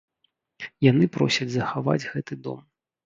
Яны просяць захаваць гэты дом.